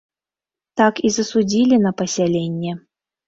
Так і засудзілі на пасяленне.